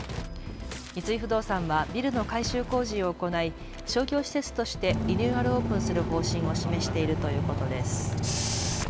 三井不動産はビルの改修工事を行い商業施設としてリニューアルオープンする方針を示しているということです。